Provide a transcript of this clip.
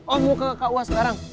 oh mau ke kua sekarang